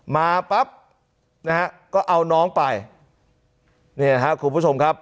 มาปั๊บนะฮะก็เอาน้องไปเนี่ยนะครับคุณผู้ชมครับ